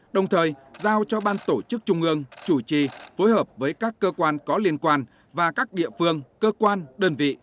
đồng thời giao cho ban tổ chức trung ương chủ trì phối hợp với các cơ quan có liên quan và các địa phương cơ quan đơn vị